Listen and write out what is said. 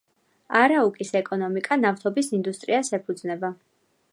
არაუკის ეკონომიკა ნავთობის ინდუსტრიას ეფუძნება.